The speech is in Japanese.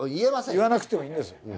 言わなくてもいいんです。